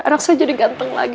anak saya jadi ganteng lagi